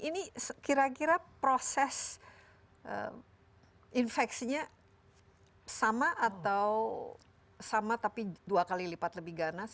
ini kira kira proses infeksinya sama atau sama tapi dua kali lipat lebih ganas